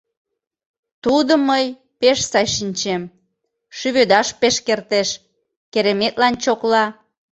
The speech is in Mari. Тудым мый пеш сай шинчем: шӱведаш пеш кертеш, кереметлан чокла...